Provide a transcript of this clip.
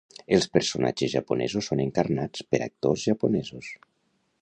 Els personatges japonesos són encarnats per actors japonesos.